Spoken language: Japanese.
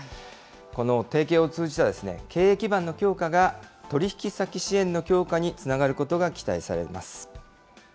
この提携を通じた経営基盤の強化が、取引先支援の強化につながることが期待されます。